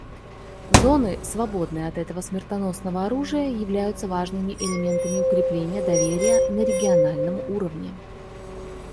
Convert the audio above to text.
Зоны, свободные от этого смертоносного оружия, являются важными элементами укрепления доверия на региональном уровне.